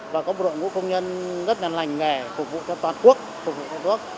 và có một đội ngũ công nhân rất là lành để phục vụ cho toàn quốc phục vụ cho toàn quốc